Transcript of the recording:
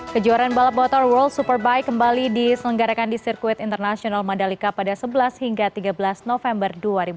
kejuaraan balap motor world superbike kembali diselenggarakan di sirkuit internasional mandalika pada sebelas hingga tiga belas november dua ribu dua puluh